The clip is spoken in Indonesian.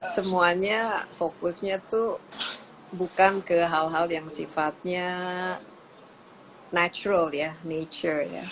semuanya fokusnya tuh bukan ke hal hal yang sifatnya natural ya nature ya